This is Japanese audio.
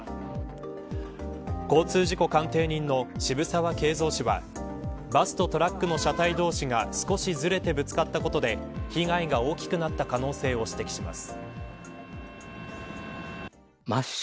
交通事故鑑定人の澁澤敬造氏はバスとトラックの車体同士が少しずれてぶつかったことで被害が大きくなった可能性を指摘します。